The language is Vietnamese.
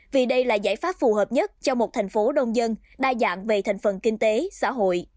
vì đây là giải pháp phù hợp nhất cho một thành phố đông dân đa dạng về thành phần kinh tế xã hội